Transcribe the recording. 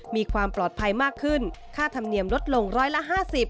มีความปลอดภัยมากขึ้นค่าธรรมเนียมลดลงร้อยละ๕๐